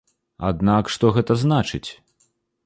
Аднак, што гэта значыць?